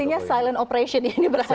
artinya silent operation ini berasal